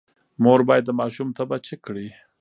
مور باید د ماشوم تبه چیک کړي۔